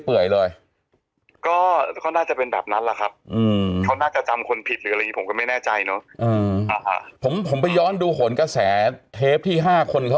เขาน่าจะจำคนผิดประเริ่มอยู่คือผมก็ไม่แน่ใจเนอะ